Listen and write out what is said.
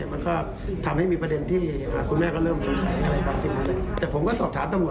มันก็ทำให้มีประเด็นที่คุณแม่ก็เริ่มสงสัยอะไรบางสิ่งหมดเลย